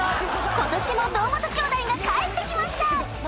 ［ことしも『堂本兄弟』が帰ってきました！］